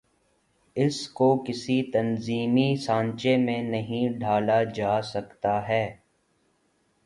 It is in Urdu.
اس کو کسی تنظیمی سانچے میں نہیں ڈھا لا جا سکتا ہے۔